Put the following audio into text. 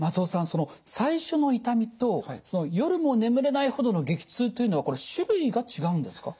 その最初の痛みと夜も眠れないほどの激痛というのはこれ種類が違うんですか？